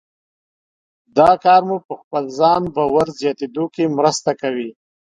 دا کار مو په خپل ځان باور زیاتېدو کې مرسته کوي.